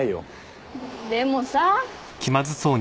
でもさ。